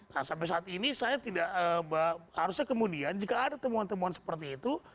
nah sampai saat ini saya tidak harusnya kemudian jika ada temuan temuan seperti itu